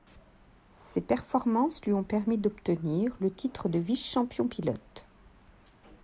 Ses performances lui ont permis d'obtenir le titre de Vice-champion pilote.